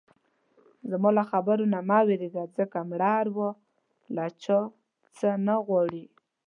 زما له خبرو نه مه وېرېږه ځکه مړه اروا له چا څه نه غواړي.